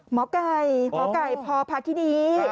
หมอกัยหมอกัยพอพักที่นี่